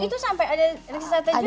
itu sampai ada risetnya juga